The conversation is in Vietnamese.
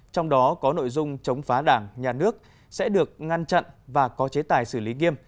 trong đó có nội dung chống phá đảng nhà nước sẽ được ngăn chặn và có chế tài xử lý nghiêm